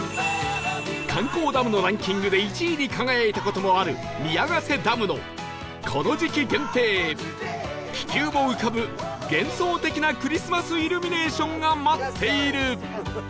観光ダムのランキングで１位に輝いた事もある宮ヶ瀬ダムのこの時期限定気球も浮かぶ幻想的なクリスマスイルミネーションが待っている！